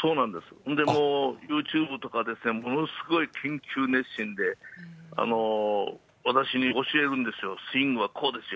それでもう、ユーチューブとか、ものすごい研究熱心で、私に教えるんですよ、スイングはこうですよ。